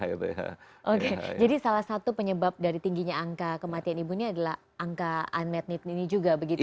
oke jadi salah satu penyebab dari tingginya angka kematian ibu ini adalah angka unmet need ini juga begitu ya